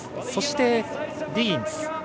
そしてディギンズ。